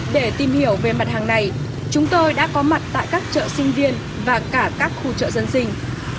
để tìm hiểu về mặt hàng này chúng tôi đã có mặt tại các chợ sinh viên và cả các khu chợ dân sinh